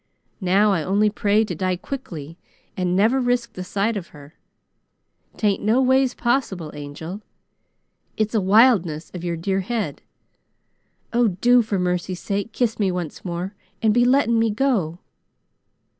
Now I only pray to die quickly and never risk the sight of her. 'Tain't no ways possible, Angel! It's a wildness of your dear head. Oh, do for mercy sake, kiss me once more and be letting me go!"